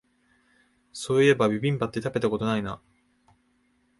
そういえばビビンバって食べたことないな